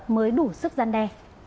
mới đủ sức gian đe